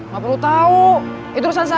gak perlu tahu itu urusan saya